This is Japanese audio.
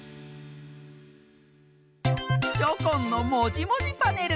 チョコンの「もじもじパネル」！